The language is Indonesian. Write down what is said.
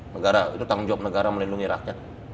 negara itu tanggung jawab negara melindungi rakyat